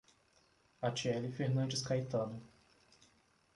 Atiele Fernandes Caetano